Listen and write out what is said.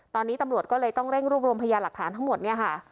ตอนนี้ตำรวจก็เลยต้องเร่งรวบรวมพยานหลักฐานทั้งหมดเนี่ยค่ะ